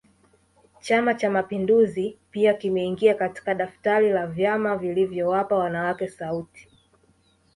Chama Cha mapinduzi pia kimeingia katika daftari la vyama vilivyowapa wanawake sauti